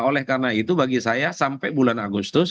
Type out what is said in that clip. oleh karena itu bagi saya sampai bulan agustus